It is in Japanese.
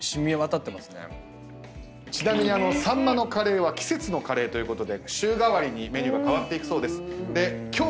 ちなみに秋刀魚のカレーは季節のカレーということで週替わりにメニューが替わっていくそうです。